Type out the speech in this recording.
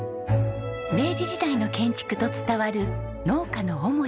明治時代の建築と伝わる農家の母屋。